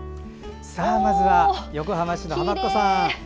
まずは横浜市のはまっこさん。